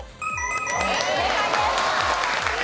正解です。